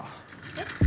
えっ？